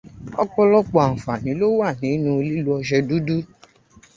Ọ̀pọ̀lọpọ̀ àǹfààní ló wà nínú lílo ọṣẹ dúdú.